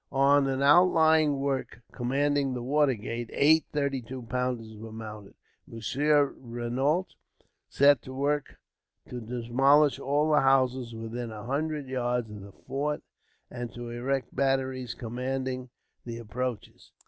On an outlying work commanding the watergate eight thirty two pounders were mounted. Monsieur Renault set to work to demolish all the houses within a hundred yards of the fort, and to erect batteries commanding the approaches.